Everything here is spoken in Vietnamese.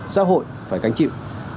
xã hội phải cánh chịu